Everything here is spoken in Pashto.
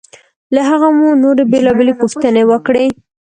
له هغه مو نورې بېلابېلې پوښتنې وکړې.